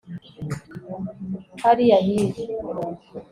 hariya hirya